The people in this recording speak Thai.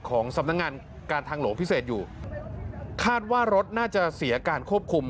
ของสำนักงานการทางหลวงพิเศษอยู่คาดว่ารถน่าจะเสียการควบคุม